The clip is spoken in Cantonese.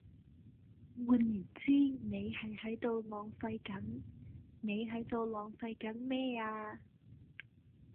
換言之你係喺度浪費緊，你喺度浪費緊咩啊?